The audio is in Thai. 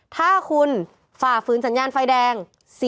ถ้าคุณฝ่าฟื้นสัญญาณไฟแดง๔๐๐๐